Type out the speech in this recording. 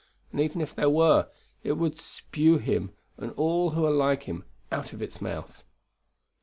And, even if there were, it would spue him and all who are like him out of its mouth.